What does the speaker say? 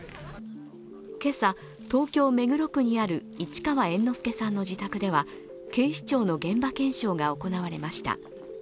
今朝、東京・目黒区にある市川猿之助さんの自宅では警視庁の現場検証が行われました。